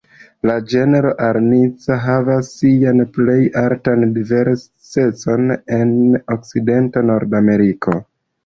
La genro "Arnica"havas sian plej altan diversecon en okcidenta Nordameriko.